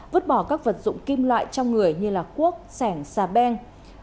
vứt bỏ các vật dụng kim loại trong người như cuốc sẻng xà beng